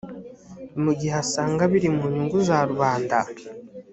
mu gihe asanga biri mu nyungu za rubanda